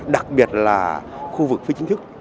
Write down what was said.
đặc biệt là khu vực phí chính thức